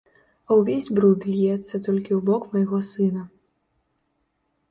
А ўвесь бруд льецца толькі ў бок майго сына.